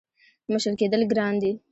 • مشر کېدل ګران دي.